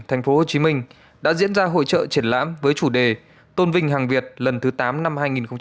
thành phố hồ chí minh đã diễn ra hội trợ triển lãm với chủ đề tôn vinh hàng việt lần thứ tám năm hai nghìn hai mươi